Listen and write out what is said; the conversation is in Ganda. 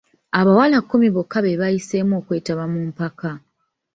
Abawala kkumi bokka be baayiseemu okwetaba mu mpaka.